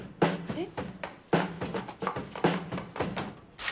えっ？